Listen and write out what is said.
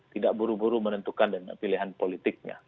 tidak buru buru menentukan pilihan politiknya